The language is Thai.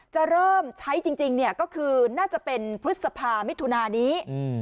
จะเริ่มใช้จริงก็คือน่าจะเป็นพฤษภามิถุนานี้